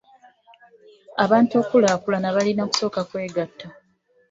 Abantu okulaakulana balina kusooka kwegatta.